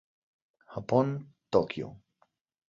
Japón: Tokio.